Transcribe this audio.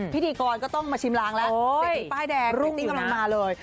พิธีกรก็ต้องมาชิมล้างแล้วเสร็จที่ป้ายแดงติ๊งกำลังมาเลย